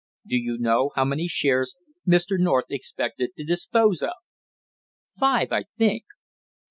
"Do you know how many shares Mr. North expected to dispose of?" "Five, I think."